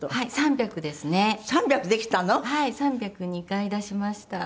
３００２回出しました。